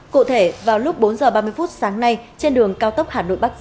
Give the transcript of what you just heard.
cụ thể vào lúc bốn h ba mươi sáng nay trên đường cao tốc hà nội